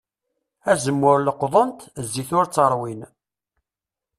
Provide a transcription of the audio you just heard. Azemmur leqḍen-t, zzit ur t-ṛwin.